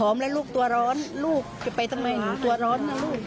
หอมแล้วลูกตัวร้อนลูกจะไปทำไมหิวตัวร้อน